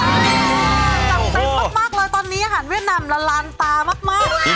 จัดเต็มมากเลยตอนนี้อาหารเวียดนามละลานตามาก